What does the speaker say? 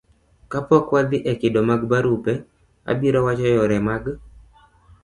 kapok wadhi e kido mag barupe, abiro wacho yore mag